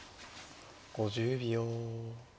５０秒。